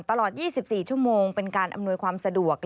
ตลอด๒๔ชั่วโมงเป็นการอำนวยความสะดวก